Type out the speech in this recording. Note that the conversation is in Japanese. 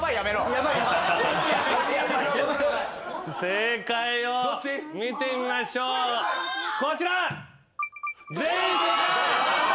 正解を見てみましょうこちら！